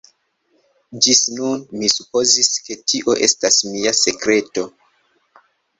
Ĝis nun mi supozis ke tio estas mia sekreto.